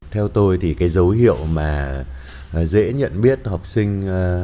theo tôi thì cái dấu hiệu mà dễ nhận biết học sinh